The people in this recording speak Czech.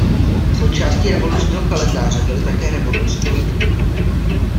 Součástí revolučního kalendáře byly také revoluční hodiny.